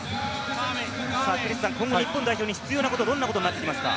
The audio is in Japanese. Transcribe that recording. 今後、日本代表に必要なことはどんなことになりますか？